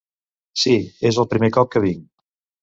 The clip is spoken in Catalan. Sí, és el primer cop que vinc.